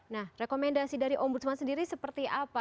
nah rekomendasi dari om bujum sendiri seperti apa